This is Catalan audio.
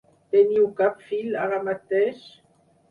Teniu cap fill ara mateix?